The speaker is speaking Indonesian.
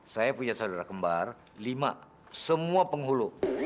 saya punya saudara kembar lima semua penghulu